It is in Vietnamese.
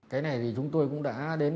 cái này thì chúng tôi cũng đã đến